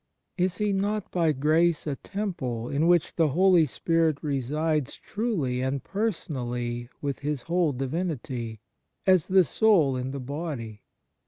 Is he not by grace a temple in which the Holy Spirit resides truly and personally with His whole Divinity, as the soul in the body